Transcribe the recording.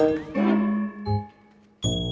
tidak ada apa apa